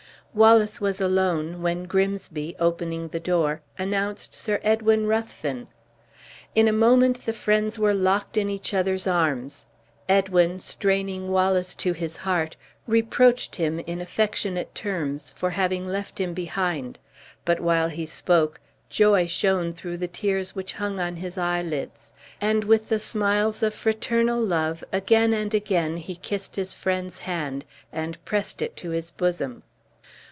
Wallace was alone, with Grimsby, opening the door, announced Sir Edwin Ruthven. In a moment the friends were locked in each other's arms. Edwin, straining Wallace to his heart, reproached him in affectionate terms for having left him behind; but while he spoke, joy shone through the tears which hung on his eyelids, and with the smiles of fraternal love, again and again he kissed his friend's hand, and pressed it to his bosom.